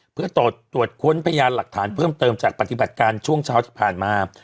เพื่อตรวจค้นพยานหลักฐานเพิ่มเติมจากปฏิบัติการช่วงเช้าที่ผ่านมา